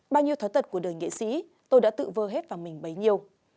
bao nhiêu tháng tật của đời nghệ sĩ tôi đã tự vơ hết vào mình bấy nhiêu